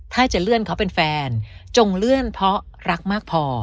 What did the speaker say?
ถ้าจะเลื่อนเขาเป็นแฟนจงเลื่อนเพราะรักมากพอ